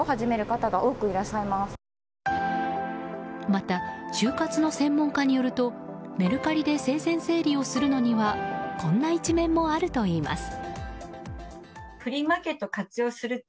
また、終活の専門家によるとメルカリで生前整理をするのにはこんな一面もあるといいます。